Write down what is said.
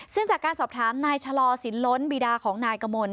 ซึ่งจากการสอบถามนายชะลอสินล้นบีดาของนายกมล